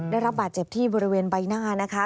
ได้รับบาดเจ็บที่บริเวณใบหน้านะคะ